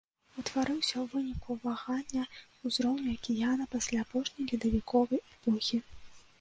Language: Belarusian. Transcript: Утварыўся ў выніку вагання ўзроўню акіяна пасля апошняй ледавіковай эпохі.